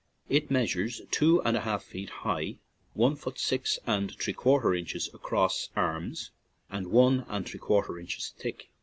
It measures two and a half feet high, one foot six and three quarter inches across arms, and one and three quarter inches thick.